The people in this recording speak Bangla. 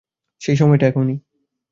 সেই সময়টা এখনই।